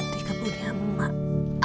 di kebunnya emak